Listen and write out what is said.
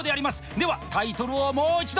ではタイトルをもう一度！